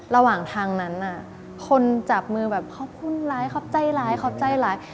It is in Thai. ระหว่างทางนั้นน่ะคนจับมือแบบขอบคุณร้ายขอบใจร้ายขอบใจร้าย